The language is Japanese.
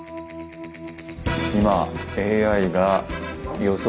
今ＡＩが予測